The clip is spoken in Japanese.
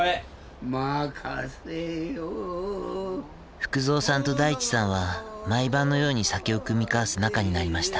福蔵さんと大地さんは毎晩のように酒を酌み交わす仲になりました。